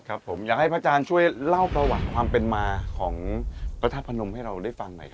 ผมอยากให้พระอาจารย์ช่วยเล่าประวัติความเป็นมาของพระธาตุพนมให้เราได้ฟังหน่อยครับ